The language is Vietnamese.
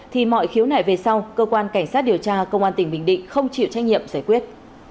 thì mọi khiếu nại về sau cơ quan cảnh sát điều tra công an tỉnh bình định không chịu trách nhiệm giải quyết